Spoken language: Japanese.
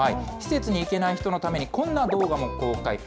施設に行けない人のために、こんな動画も公開。